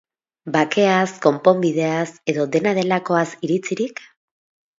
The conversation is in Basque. Bakeaz, konponbideaz, edo dena delakoaz iritzirik?